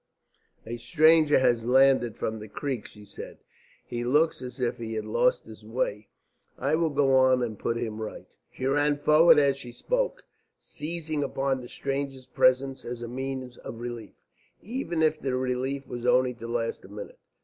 "A stranger has landed from the creek," she said. "He looks as if he had lost his way. I will go on and put him right." She ran forward as she spoke, seizing upon that stranger's presence as a means of relief, even if the relief was only to last for a minute.